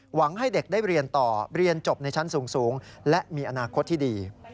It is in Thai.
หวังให้เด็กได้เรียนต่อเรียนจบในชั้นสูงและมีอนาคตที่ดี